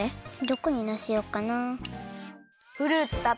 どこにのせようかな？